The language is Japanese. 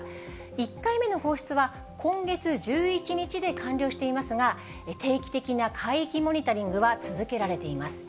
１回目の放出は今月１１日で完了していますが、定期的な海域モニタリングは続けられています。